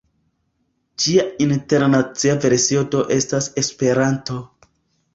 Ĝia internacia versio do estas Esperanto.